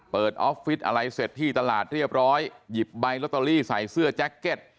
ออฟฟิศอะไรเสร็จที่ตลาดเรียบร้อยหยิบใบลอตเตอรี่ใส่เสื้อแจ็คเก็ต